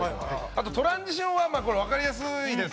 あと、トランジションはわかりやすいです。